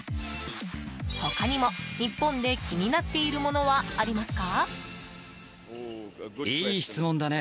他にも日本で気になっているものはありますか。